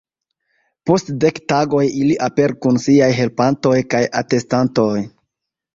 Post dek tagoj ili aperu kun siaj helpantoj kaj atestantoj!